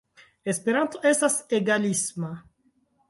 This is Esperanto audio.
Esperanto estas egalisma.